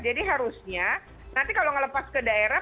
harusnya nanti kalau ngelepas ke daerah